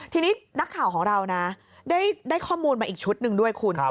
ทีนี้นักข่าวของเรานะได้ข้อมูลมาอีกชุดหนึ่งด้วยคุณ